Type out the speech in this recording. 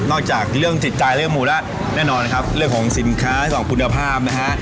นอกจากเรื่องจิตใจเรื่องภูระแน่นอนนะครับเรื่องของสินค้าเรื่องของคุณภาพนะครับ